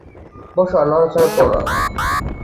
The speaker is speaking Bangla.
বসো আর নড়াচড়া করো না!